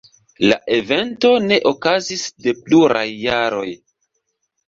La evento ne okazis de pluraj jaroj.